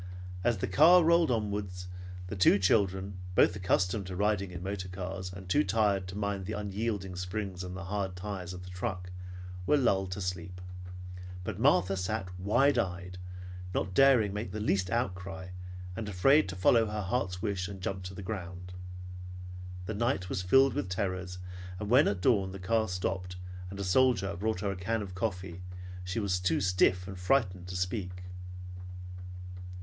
As the car rolled onward, the two children, both accustomed to riding in motor cars, and too tired to mind the unyielding springs and hard tires of the truck, were lulled to sleep; but Martha sat wide eyed, not daring to make the least outcry, and afraid to follow her heart's wish and jump to the ground. The night was filled with terrors, and when at dawn the car stopped, and a soldier brought her a can of coffee she was too stiff and frightened to speak.